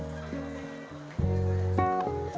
jadi bateri pemuda hal mr